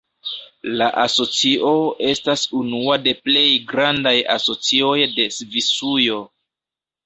La asocio estas unua de plej grandaj asocioj de Svisujo.